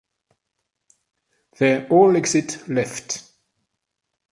They all exit left.